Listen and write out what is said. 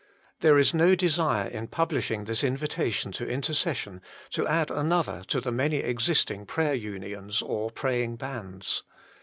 There is no desire in publishing this invita tion to intercession to add another to the many existing prayer unions or praying bands.